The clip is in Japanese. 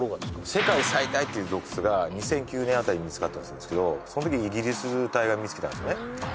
世界最大っていう洞窟が２００９年あたりに見つかったんですけどその時にイギリス隊が見つけたんですあっ